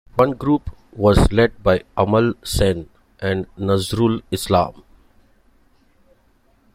One group was led by Amal Sen and Nazrul Islam.